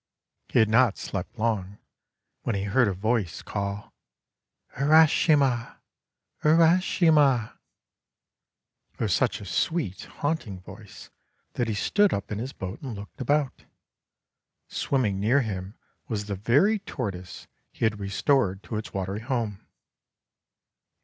He had not slept long, when he heard a voice call :— "Urashima! Urashima! 5! It was such a sweet, haunting voice that he stood up in his boat, and looked about. Swim ming near him was the very Tortoise he had restored to its watery home.